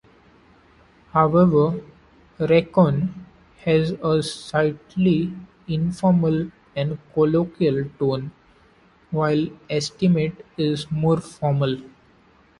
However, "reckon" has a slightly informal or colloquial tone, while "estimate" is more formal.